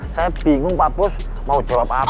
saya bingung pak pus mau jawab apa